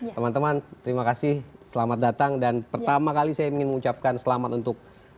teman teman terima kasih selamat datang dan pertama kali saya ingin mengucapkan selamat untuk